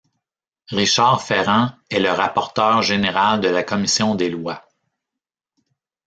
Richard Ferrand est le rapporteur général de la commission des lois.